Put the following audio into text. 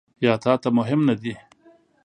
یا تا ته مهم نه دي ؟